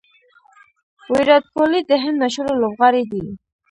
ویرات کهولي د هند مشهوره لوبغاړی دئ.